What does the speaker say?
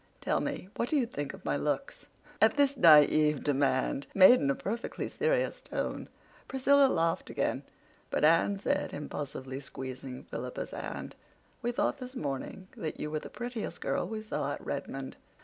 Tell me, what do you think of my looks?" At this naive demand, made in a perfectly serious tone, Priscilla laughed again. But Anne said, impulsively squeezing Philippa's hand, "We thought this morning that you were the prettiest girl we saw at Redmond."